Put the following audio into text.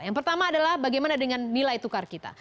yang pertama adalah bagaimana dengan nilai tukar kita